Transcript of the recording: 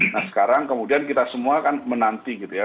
nah sekarang kemudian kita semua kan menanti gitu ya